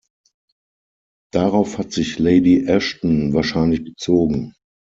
Darauf hat sich Lady Ashton wahrscheinlich bezogen.